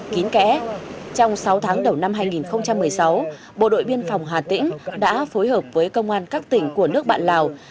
kín kẽ trong sáu tháng đầu năm hai nghìn một mươi sáu bộ đội biên phòng hà tĩnh đã phối hợp với công an các tỉnh của nước bạn lào